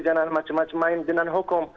jangan macem macem main dengan hukum